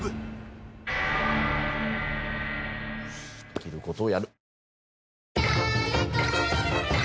できる事をやる。